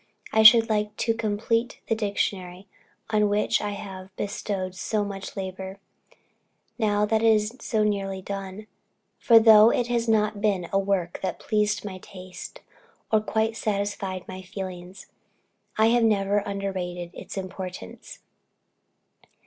I should like to complete the dictionary, on which I have bestowed so much labor, now that it is so nearly done; for though it has not been a work that pleased my taste, or quite satisfied my feelings, I have never underrated its importance.